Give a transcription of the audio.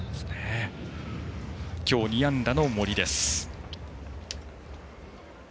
今日、２安打の森です。